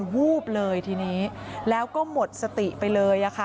วูบเลยทีนี้แล้วก็หมดสติไปเลยค่ะ